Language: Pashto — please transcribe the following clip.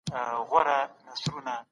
دا هغه هلک دی چي ډېر کار کوي.